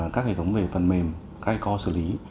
các hệ thống về phần mềm các hệ co xử lý